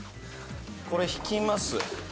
「これ敷きます。